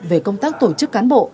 về công tác tổ chức cán bộ